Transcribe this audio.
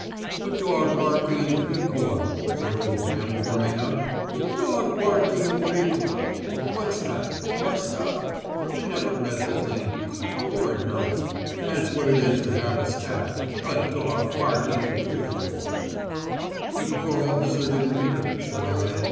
"A dog barking in Fricourt," said old Jim, warming up. "'A dog barking in Fricourt.' What's that Corps stuff? I never read the thing; good Lord, no! That's what it is to have a Staff 'A dog barking in Fricourt!'" "The Corps officer didn't hear it," said I.